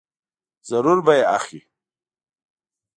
ضرور به یې اخلې !